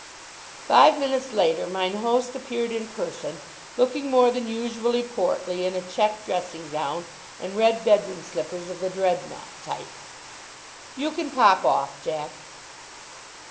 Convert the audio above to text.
Five minutes later mine host appeared in person, looking more than usually portly in a check dressing gown and red bedroom slippers of the Dreadnought type. "You can pop off, Jack."